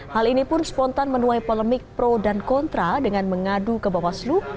hal ini pun spontan menuai polemik pro dan kontra dengan mengadu ke bawaslu